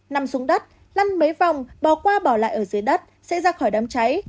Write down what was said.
nằm xuống đất lăn mấy vòng bò qua bỏ lại ở dưới đất sẽ ra khỏi đám cháy